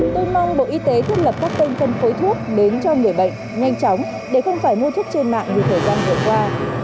tôi mong bộ y tế thiết lập các kênh phân phối thuốc đến cho người bệnh nhanh chóng để không phải mua thuốc trên mạng như thời gian vừa qua